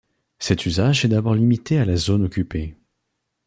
Cet usage est d'abord limité à la zone occupée.